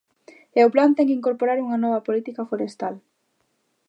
E o plan ten que incorporar unha nova política forestal.